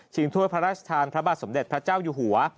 ถ้วยพระราชทานพระบาทสมเด็จพระเจ้าอยู่หัว